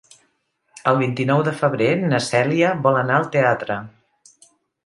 El vint-i-nou de febrer na Cèlia vol anar al teatre.